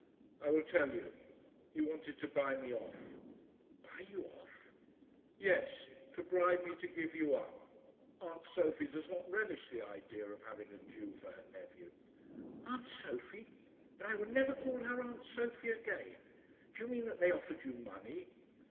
"I will tell you. He wanted to buy me off." "Buy you off!" "Yes; to bribe me to give you up. Aunt Sophie does not relish the idea of having a Jew for her nephew." "Aunt Sophie! but I will never call her Aunt Sophie again. Do you mean that they offered you money?"